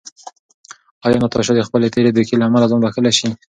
ایا ناتاشا د خپلې تېرې دوکې له امله ځان بښلی شو؟